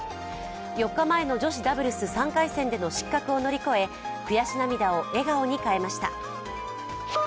４日前の女子ダブルス３回戦での失格を乗り越え悔し涙を笑顔に変えました。